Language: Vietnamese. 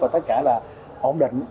tất cả là ổn định